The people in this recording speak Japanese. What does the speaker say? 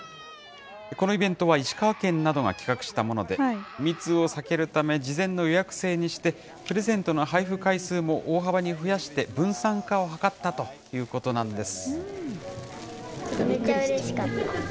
このイベントは石川県などが企画したもので、密を避けるため、事前の予約制にして、プレゼントの配付回数も大幅に増やして、分散化を図ったということなんです。